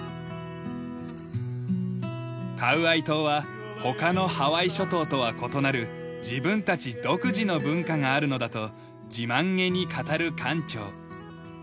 カウアイ島は他のハワイ諸島とは異なる自分たち独自の文化があるのだと自慢げに語る館長。